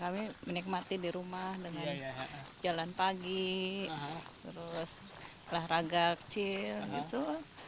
kami menikmati di rumah dengan jalan pagi terus olahraga kecil gitu